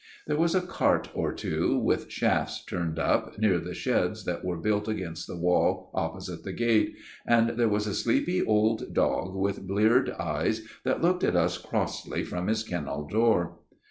There was a cart or two with shafts turned up, near the sheds that were built against the wall opposite the gate ; and there was a sleepy old dog with bleared eyes that looked at us crossly from his kennel door.